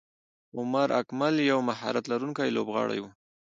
عمر اکمل یو مهارت لرونکی لوبغاړی وو.